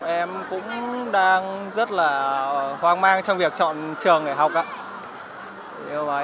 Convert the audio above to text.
em cũng đang rất là hoang mang trong việc chọn trường